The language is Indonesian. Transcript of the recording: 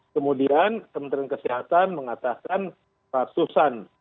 kemudian kementerian kesehatan mengatakan ratusan